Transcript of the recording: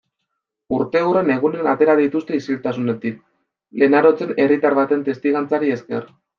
Urteurren egunean atera dituzte isiltasunetik Lenarotzen, herritar baten testigantzari esker.